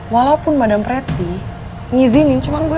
walaupun madame preti ngizinin cuma ngerti